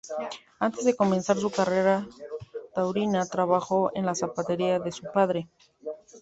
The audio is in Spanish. Antes de comenzar su carrera taurina, trabajó en la zapatería de su padre.